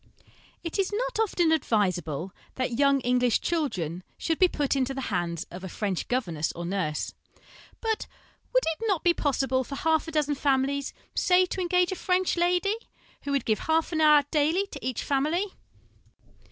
It is not often advisable that young English children should be put into the hands of a French governess or nurse ; but would it not be possible for half a dozen families, say, to engage a French lady, who would give half an hour daily to each family